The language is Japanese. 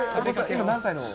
今、何歳の？